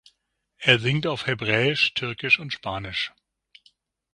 Er singt auf Hebräisch, Türkisch und Spanisch.